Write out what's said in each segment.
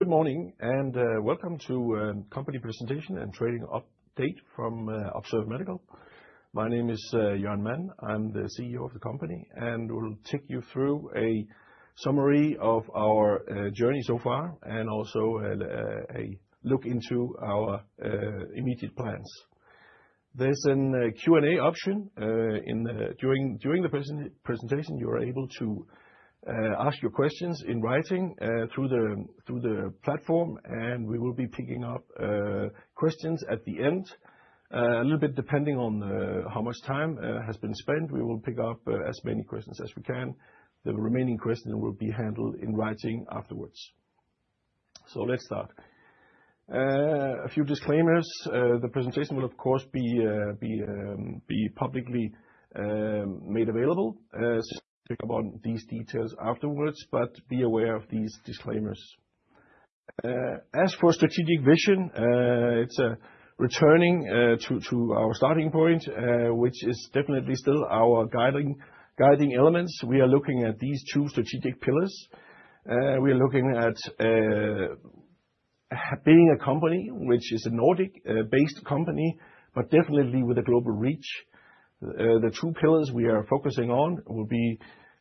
Good morning, and welcome to company presentation and trading update from Observe Medical. My name is Jørgen Mann. I'm the CEO of the company, and will take you through a summary of our journey so far and also a look into our immediate plans. There's a Q&A option. During the presentation, you are able to ask your questions in writing through the platform, and we will be picking up questions at the end. A little bit depending on how much time has been spent, we will pick up as many questions as we can. The remaining question will be handled in writing afterwards. Let's start. A few disclaimers. The presentation will, of course, be publicly made available. Just pick up on these details afterwards, but be aware of these disclaimers. As for strategic vision, it's a returning to our starting point, which is definitely still our guiding elements. We are looking at these two strategic pillars. We are looking at being a company which is a Nordic based company but definitely with a global reach. The two pillars we are focusing on will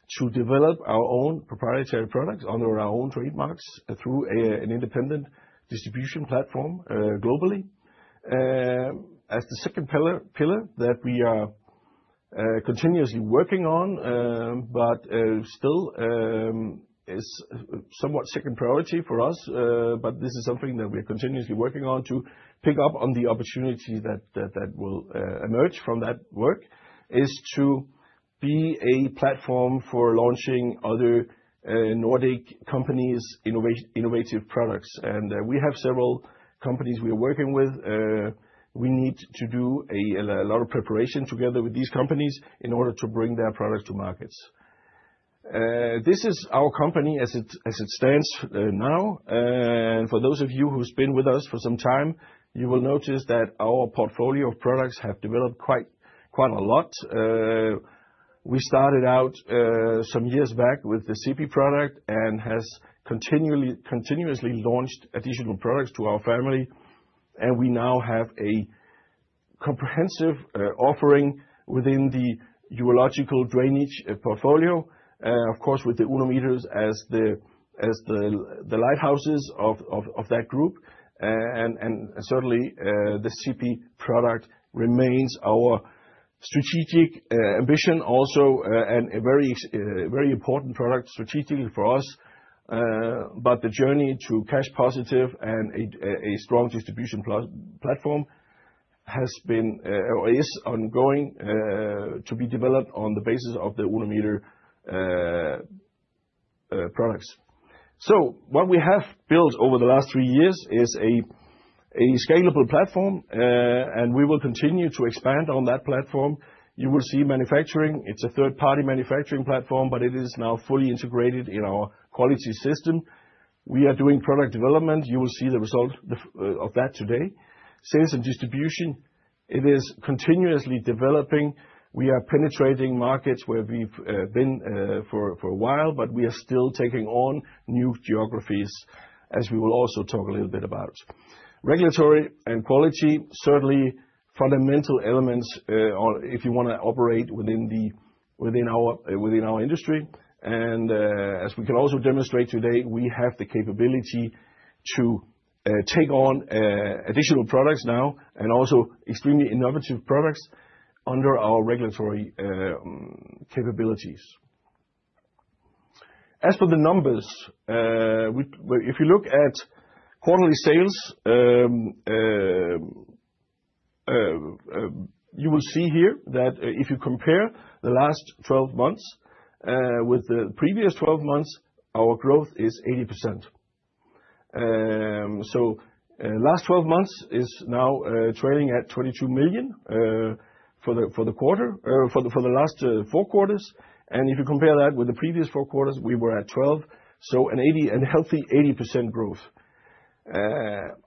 be to develop our own proprietary products under our own trademarks through an independent distribution platform globally. As the second pillar that we are continuously working on, but still is somewhat second priority for us, but this is something that we are continuously working on to pick up on the opportunity that will emerge from that work, is to be a platform for launching other Nordic companies' innovative products. We have several companies we are working with. We need to do a lot of preparation together with these companies in order to bring their product to markets. This is our company as it stands now. For those of you who's been with us for some time, you will notice that our portfolio of products have developed quite a lot. We started out some years back with the Sippi product and has continuously launched additional products to our family. We now have a comprehensive offering within the Urological Drainage portfolio, of course, with the UnoMeters as the lighthouses of that group. Certainly, the Sippi product remains our strategic ambition also, and a very important product strategically for us. The journey to cash positive and a strong distribution platform has been or is ongoing to be developed on the basis of the Urometer products. What we have built over the last three years is a scalable platform, and we will continue to expand on that platform. You will see manufacturing. It's a third-party manufacturing platform, but it is now fully integrated in our quality system. We are doing product development. You will see the result of that today. Sales and distribution, it is continuously developing. We are penetrating markets where we've been for a while, but we are still taking on new geographies as we will also talk a little bit about. Regulatory and quality, certainly fundamental elements, or if you wanna operate within the, within our, within our industry. As we can also demonstrate today, we have the capability to take on additional products now and also extremely innovative products under our regulatory capabilities. As for the numbers, we... If you look at quarterly sales, you will see here that if you compare the last twelve months with the previous twelve months, our growth is 80%. Last twelve months is now trailing at 22 million for the last four quarters. If you compare that with the previous four quarters, we were at 12 million, a healthy 80% growth.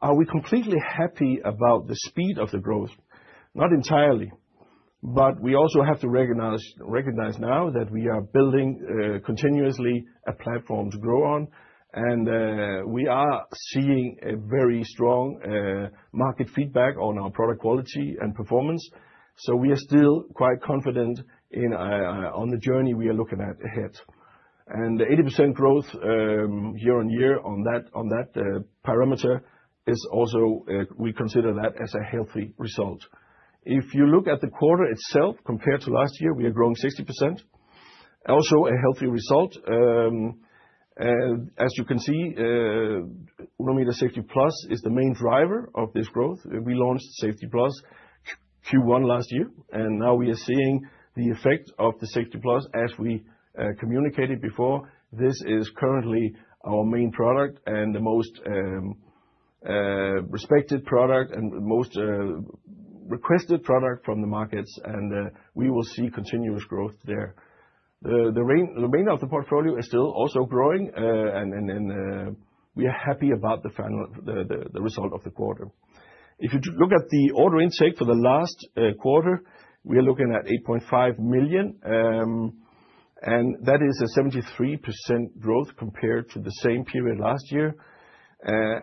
Are we completely happy about the speed of the growth? Not entirely. We also have to recognize now that we are building continuously a platform to grow on. We are seeing a very strong market feedback on our product quality and performance. We are still quite confident on the journey we are looking at ahead. The 80% growth year-on-year on that parameter is also. We consider that as a healthy result. If you look at the quarter itself compared to last year, we are growing 60%. Also a healthy result. As you can see, UnoMeter Safeti Plus is the main driver of this growth. We launched Safeti Plus Q1 last year, and now we are seeing the effect of the Safeti Plus. As we communicated before, this is currently our main product and the most respected product and most requested product from the markets, and we will see continuous growth there. The remainder of the portfolio is still also growing, and we are happy about the final result of the quarter. If you look at the order intake for the last quarter, we are looking at 8.5 million, and that is a 73% growth compared to the same period last year.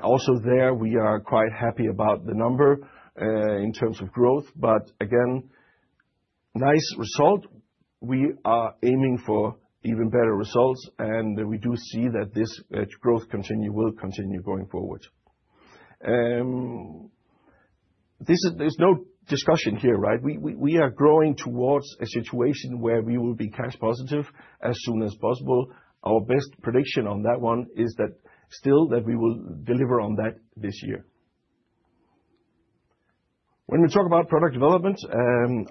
Also there we are quite happy about the number in terms of growth, but again, nice result. We are aiming for even better results, and we do see that this growth will continue going forward. There's no discussion here, right? We are growing towards a situation where we will be cash positive as soon as possible. Our best prediction on that one is that we will deliver on that this year. When we talk about product development,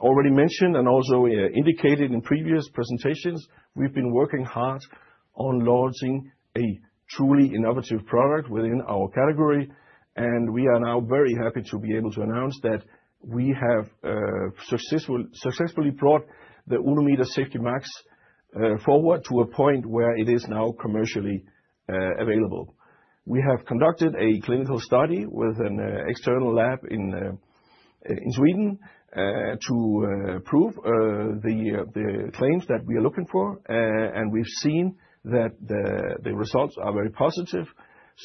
already mentioned and also indicated in previous presentations, we've been working hard on launching a truly innovative product within our category, and we are now very happy to be able to announce that we have successfully brought the UnoMeter Safeti Max forward to a point where it is now commercially available. We have conducted a clinical study with an external lab in Sweden to prove the claims that we are looking for, and we've seen that the results are very positive.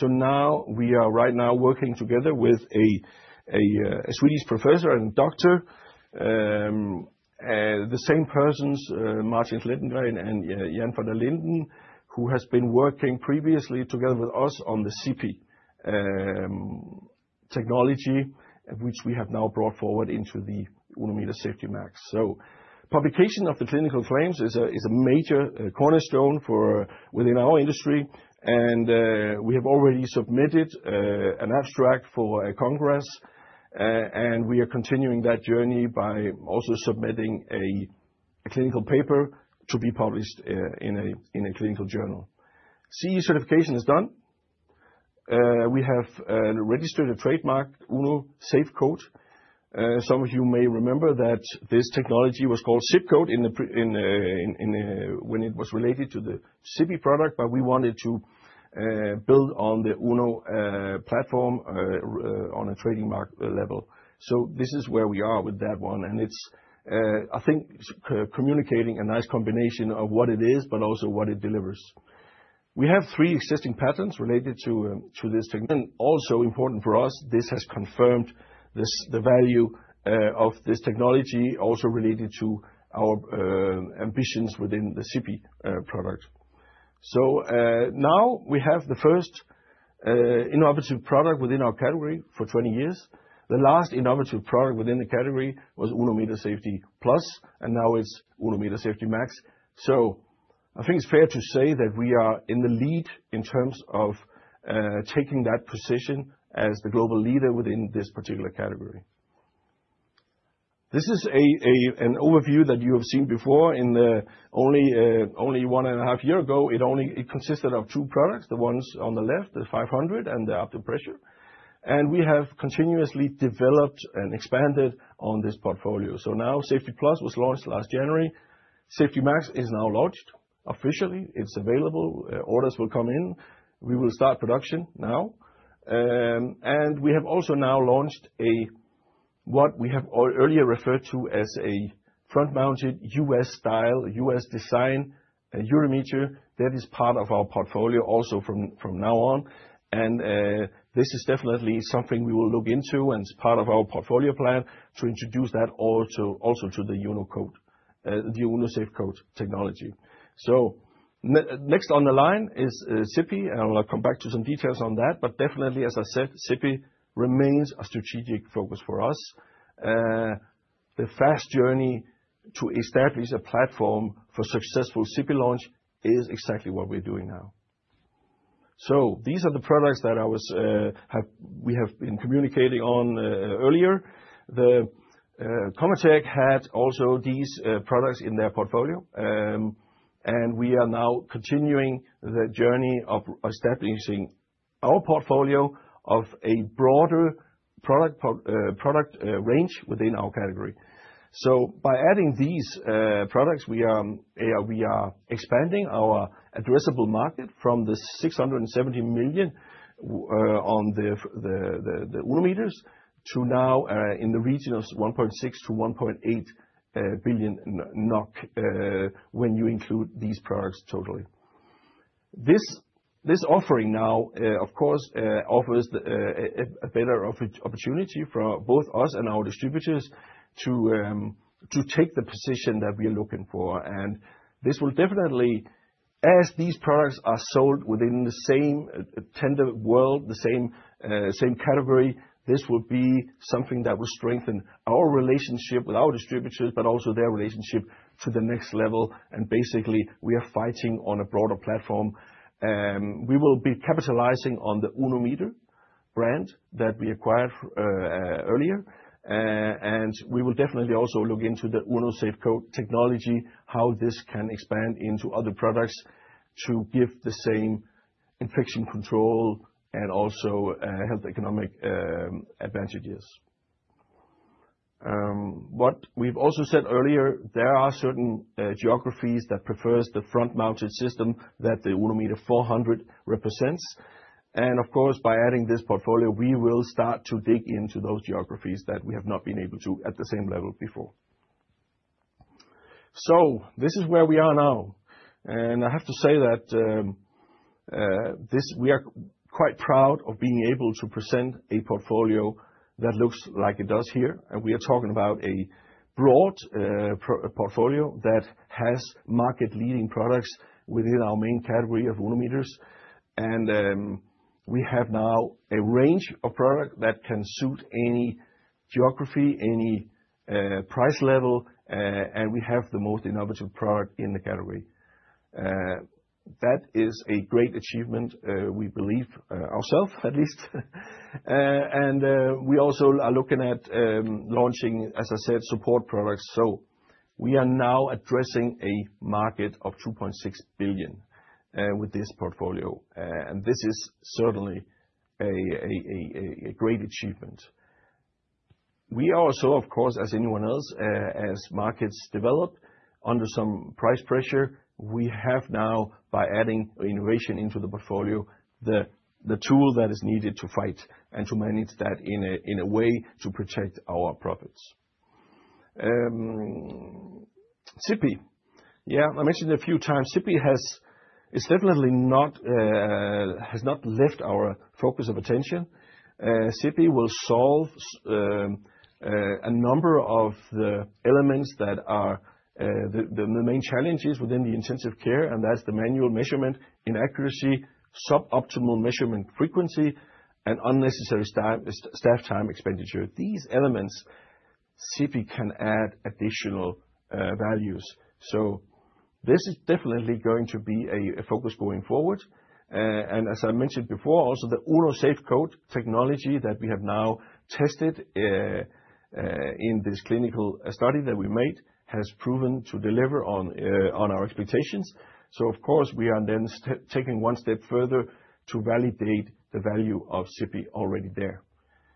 Now we are right now working together with a Swedish professor and doctor, the same persons, Martin Lindberg and Jan van der Linden, who has been working previously together with us on the Sippi technology, which we have now brought forward into the UnoMeter Safeti Max. Publication of the clinical claims is a major cornerstone for within our industry, and we have already submitted an abstract for a congress, and we are continuing that journey by also submitting a clinical paper to be published in a clinical journal. CE certification is done. We have registered a trademark, Uno SafeCoat. Some of you may remember that this technology was called SafeCoat when it was related to the Sippi product, but we wanted to build on the Uno platform on a trademark level. This is where we are with that one, and it's I think communicating a nice combination of what it is, but also what it delivers. We have three existing patents related to this technology. Also important for us, this has confirmed the value of this technology also related to our ambitions within the Sippi product. Now we have the first innovative product within our category for 20 years. The last innovative product within the category was UnoMeter Safeti Plus, and now it's UnoMeter Safeti Max. I think it's fair to say that we are in the lead in terms of taking that position as the global leader within this particular category. This is an overview that you have seen before. In only one and a half year ago, it consisted of two products, the ones on the left, the 500 and the Abdo-Pressure. We have continuously developed and expanded on this portfolio. Now Safeti Plus was launched last January. Safeti Max is now launched officially. It's available. Orders will come in. We will start production now. We have also now launched a what we have earlier referred to as a front-mounted U.S. style, U.S. design, UnoMeter. That is part of our portfolio also from now on. This is definitely something we will look into and is part of our portfolio plan to introduce that also to the SafeCoat, the SafeCoat technology. Next on the line is Sippi, and I'll come back to some details on that. Definitely, as I said, Sippi remains a strategic focus for us. The fast journey to establish a platform for successful Sippi launch is exactly what we're doing now. These are the products that we have been communicating on earlier. ConvaTec had also these products in their portfolio, and we are now continuing the journey of establishing our portfolio of a broader product range within our category. By adding these products, we are expanding our addressable market from the 670 million on the UnoMeters to now in the region of 1.6 billion-1.8 billion NOK when you include these products totally. This offering now of course offers a better opportunity for both us and our distributors to take the position that we are looking for. This will definitely, as these products are sold within the same tender world, the same category, be something that will strengthen our relationship with our distributors, but also their relationship to the next level. Basically, we are fighting on a broader platform. We will be capitalizing on the UnoMeter brand that we acquired earlier, and we will definitely also look into the Uno SafeCoat technology, how this can expand into other products to give the same infection control and also health economic advantages. What we've also said earlier, there are certain geographies that prefers the front-mounted system that the UnoMeter 400 represents. Of course, by adding this portfolio, we will start to dig into those geographies that we have not been able to at the same level before. This is where we are now, and I have to say that we are quite proud of being able to present a portfolio that looks like it does here. We are talking about a broad portfolio that has market-leading products within our main category of UnoMeters. We have now a range of product that can suit any geography, any price level, and we have the most innovative product in the category. That is a great achievement, we believe, ourselves at least. We also are looking at launching, as I said, support products. We are now addressing a market of 2.6 billion with this portfolio. This is certainly a great achievement. We are also, of course, as anyone else, as markets develop under some price pressure, we have now, by adding innovation into the portfolio, the tool that is needed to fight and to manage that in a way to protect our profits. Sippi. Yeah, I mentioned a few times Sippi has not left our focus of attention. Sippi will solve a number of the elements that are the main challenges within the intensive care, and that's the manual measurement inaccuracy, suboptimal measurement frequency, and unnecessary staff time expenditure. These elements Sippi can add additional values. This is definitely going to be a focus going forward. As I mentioned before, also the Uno SafeCoat technology that we have now tested in this clinical study that we made has proven to deliver on our expectations. Of course, we are then taking one step further to validate the value of Sippi already there.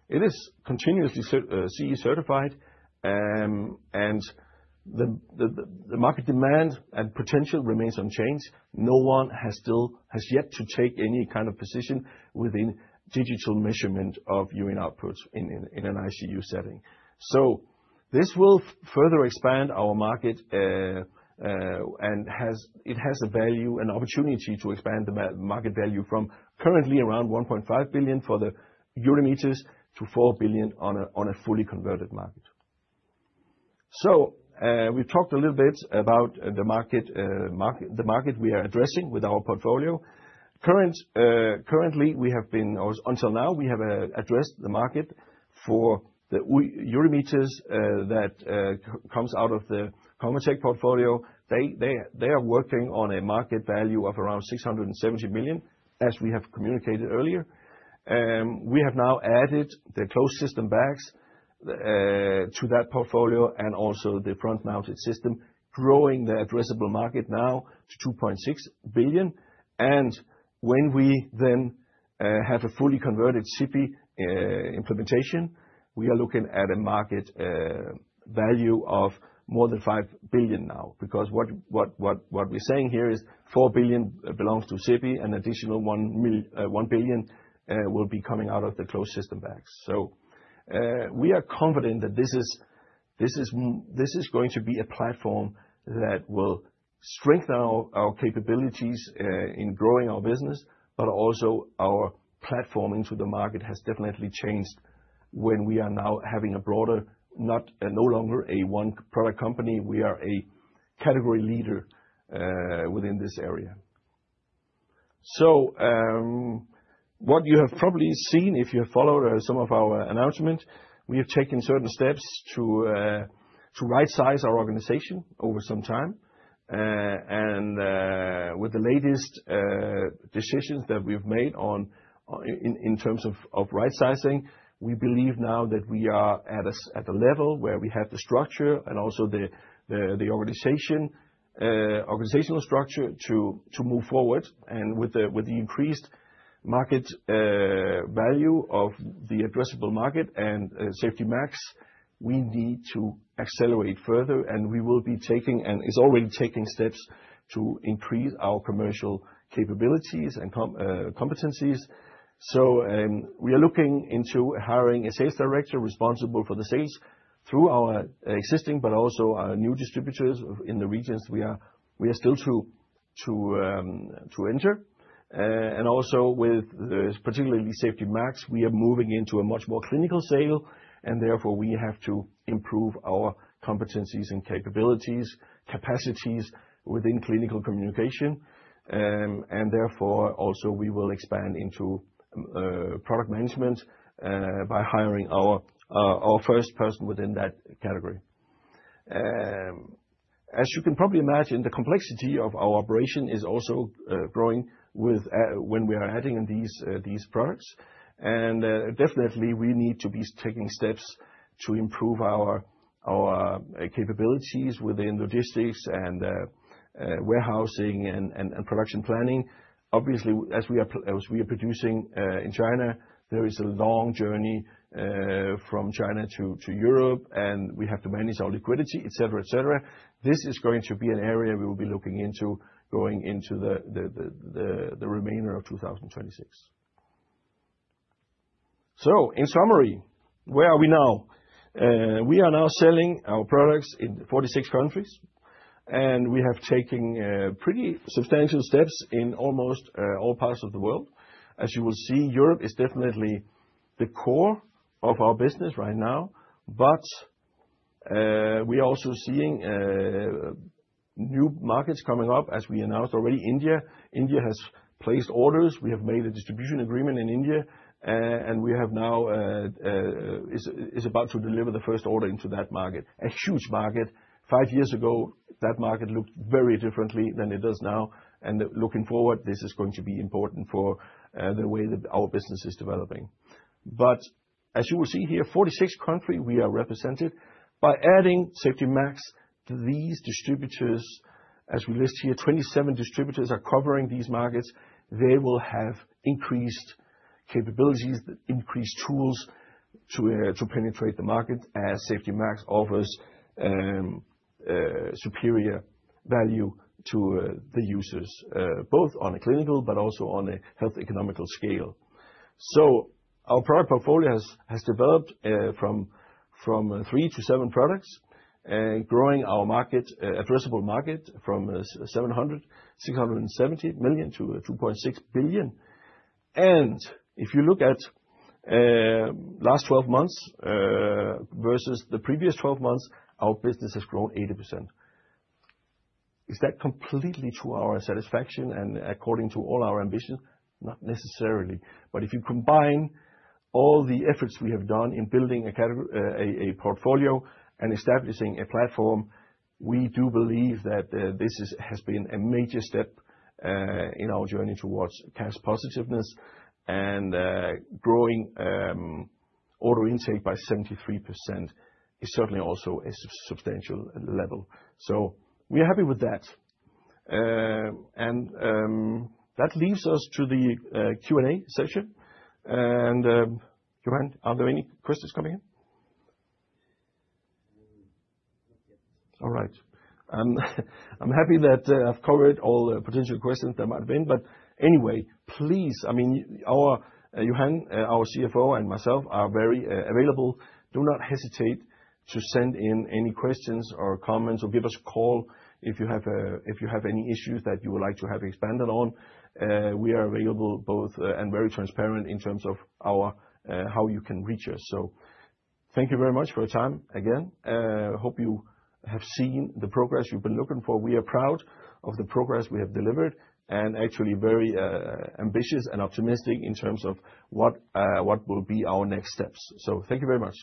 It is continuously CE certified, and the market demand and potential remains unchanged. No one has yet to take any kind of position within digital measurement of urine output in an ICU setting. This will further expand our market, and it has a value and opportunity to expand the market value from currently around 1.5 billion for the UnoMeters to 4 billion on a fully converted market. We talked a little bit about the market, the market we are addressing with our portfolio. Currently, until now, we have addressed the market for the UnoMeters that comes out of the ConvaTec portfolio. They are working on a market value of around 670 million, as we have communicated earlier. We have now added the closed system bags to that portfolio and also the front mounted UnoMeter, growing the addressable market now to 2.6 billion. When we then have a fully converted Sippi implementation, we are looking at a market value of more than 5 billion now. Because what we're saying here is 4 billion belongs to Sippi, an additional 1 billion will be coming out of the closed system bags. We are confident that this is going to be a platform that will strengthen our capabilities in growing our business, but also our platform into the market has definitely changed when we are now having a broader, no longer a one-product company, we are a category leader within this area. What you have probably seen, if you have followed some of our announcements, we have taken certain steps to rightsize our organization over some time. With the latest decisions that we've made in terms of rightsizing, we believe now that we are at a level where we have the structure and also the organizational structure to move forward. With the increased market value of the addressable market and Safeti Max, we need to accelerate further, and we are already taking steps to increase our commercial capabilities and competencies. We are looking into hiring a sales director responsible for the sales through our existing but also our new distributors in the regions we are still to enter. Also with the particularly Safeti Max, we are moving into a much more clinical sale, and therefore, we have to improve our competencies and capabilities, capacities within clinical communication. Therefore also we will expand into product management by hiring our first person within that category. As you can probably imagine, the complexity of our operation is also growing with when we are adding in these products. Definitely, we need to be taking steps to improve our capabilities within logistics and warehousing and production planning. Obviously, as we are producing in China, there is a long journey from China to Europe, and we have to manage our liquidity, et cetera. This is going to be an area we will be looking into going into the remainder of 2026. In summary, where are we now? We are now selling our products in 46 countries, and we have taken pretty substantial steps in almost all parts of the world. As you will see, Europe is definitely the core of our business right now, but we're also seeing new markets coming up. As we announced already, India has placed orders. We have made a distribution agreement in India and we have now is about to deliver the first order into that market. A huge market. Five years ago, that market looked very differently than it does now. Looking forward, this is going to be important for the way that our business is developing. As you will see here, 46 countries we are represented. By adding SafetiMax to these distributors as we list here, 27 distributors are covering these markets. They will have increased capabilities that increase tools to penetrate the market as SafetiMax offers superior value to the users both on a clinical but also on a health economic scale. Our product portfolio has developed from three to seven products, growing our addressable market from 760 million to 2.6 billion. If you look at last twelve months versus the previous twelve months, our business has grown 80%. Is that completely to our satisfaction and according to all our ambition? Not necessarily. If you combine all the efforts we have done in building a category, a portfolio and establishing a platform, we do believe that this has been a major step in our journey towards cash positiveness and growing order intake by 73% is certainly also a substantial level. We are happy with that. That leaves us to the Q&A session. Johan, are there any questions coming in? No, not yet. All right. I'm happy that I've covered all the potential questions there might have been, but anyway, please, I mean, our Johan, our CFO and myself are very available. Do not hesitate to send in any questions or comments or give us a call if you have any issues that you would like to have expanded on. We are available both and very transparent in terms of our how you can reach us. Thank you very much for your time again. Hope you have seen the progress you've been looking for. We are proud of the progress we have delivered and actually very ambitious and optimistic in terms of what will be our next steps. Thank you very much.